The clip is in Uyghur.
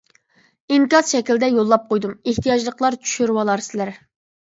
ئىنكاس شەكلىدە يوللاپ قويدۇم، ئېھتىياجلىقلار چۈشۈرۈۋالارسىلەر.